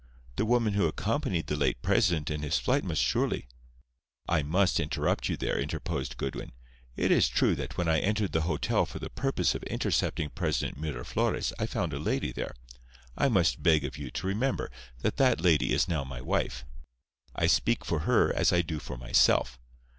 The woman who accompanied the late President in his flight must surely—" "I must interrupt you there," interposed Goodwin. "It is true that when I entered the hotel for the purpose of intercepting President Miraflores I found a lady there. I must beg of you to remember that that lady is now my wife. I speak for her as I do for myself.